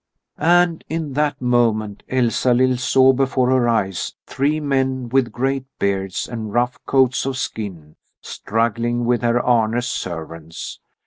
And in that moment Elsalill saw before her eyes three men with great beards and rough coats of skin, struggling with Herr Arne's servants.